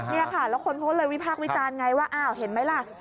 แล้วคนโทษเลยวิภาควิจารณ์ไงว่าเห็นไหมล่ะ